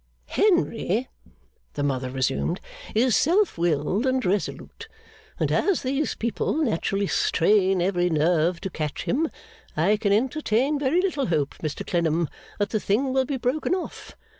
'Henry,' the mother resumed, 'is self willed and resolute; and as these people naturally strain every nerve to catch him, I can entertain very little hope, Mr Clennam, that the thing will be broken off.